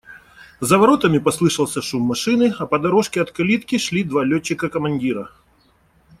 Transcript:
За воротами послышался шум машины, а по дорожке от калитки шли два летчика-командира.